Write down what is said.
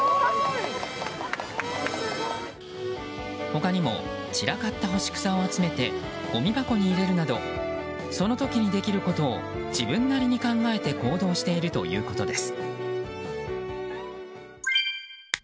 他にも散らかった干し草を集めてごみ箱に入れるなどその時にできることを自分なりに考えて行動しているということです。